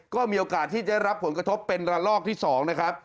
ก็มีโอกาสที่จะรับผลกระทบเป็นระลอกที่๒นะครับ